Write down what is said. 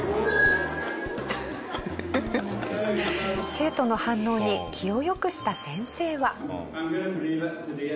生徒の反応に気を良くした先生は。